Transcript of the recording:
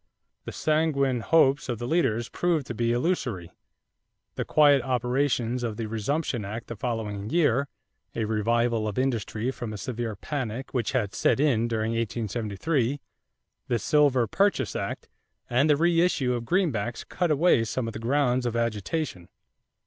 The sanguine hopes of the leaders proved to be illusory. The quiet operations of the resumption act the following year, a revival of industry from a severe panic which had set in during 1873, the Silver Purchase Act, and the re issue of Greenbacks cut away some of the grounds of agitation.